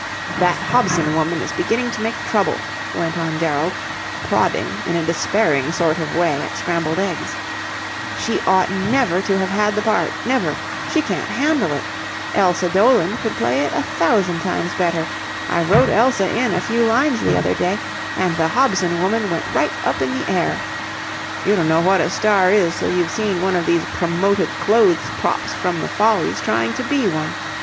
"That Hobson woman is beginning to make trouble," went on Gerald, prodding in a despairing sort of way at scrambled eggs. "She ought never to have had the part, never. She can't handle it. Elsa Doland could play it a thousand times better. I wrote Elsa in a few lines the other day, and the Hobson woman went right up in the air. You don't know what a star is till you've seen one of these promoted clothes props from the Follies trying to be one.